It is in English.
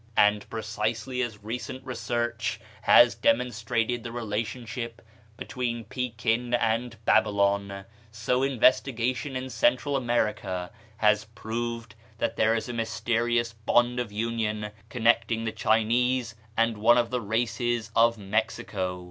And precisely as recent research has demonstrated the relationship between Pekin and Babylon, so investigation in Central America has proved that there is a mysterious bond of union connecting the Chinese and one of the races of Mexico.